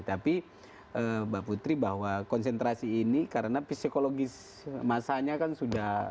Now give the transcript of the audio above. tapi mbak putri bahwa konsentrasi ini karena psikologis masanya kan sudah